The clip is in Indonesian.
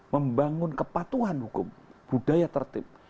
membangun kepatuhan hukum budaya tertib